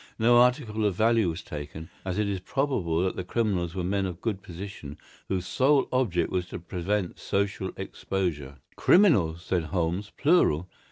No article of value was taken, as it is probable that the criminals were men of good position, whose sole object was to prevent social exposure." "Criminals!" said Holmes. "Plural!"